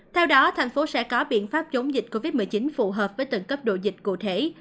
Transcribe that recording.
theo đó thành phố sẽ có biện pháp chống dịch covid một mươi chín phù hợp với tầng cấp độ dịch cụ thể